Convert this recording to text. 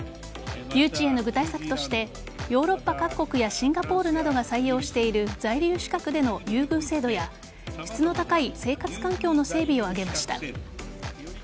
誘致への具体策としてヨーロッパ各国やシンガポールなどが採用している在留資格での優遇制度や質の高い生活環境の整備を挙げました。